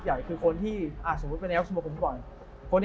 หากกับชุดสมคงกิน